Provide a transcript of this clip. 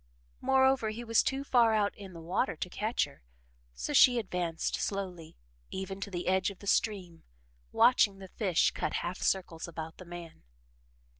Moreover, he was too far out in the water to catch her, so she advanced slowly even to the edge of the stream, watching the fish cut half circles about the man.